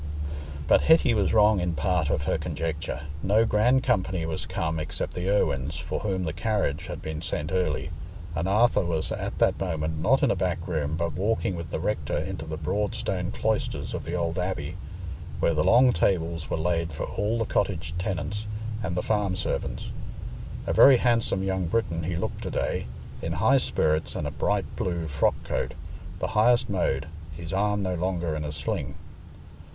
But Hetty was wrong in part of her conjecture. No grand company was come except the Irwines, for whom the carriage had been sent early, and Arthur was at that moment not in a back room, but walking with the rector into the broad stone cloisters of the old abbey, where the long tables were laid for all the cottage tenants and the farm servants. A very handsome young Briton he looked to day, in high spirits and a bright blue frock coat, the highest mode—his arm no longer in a sling.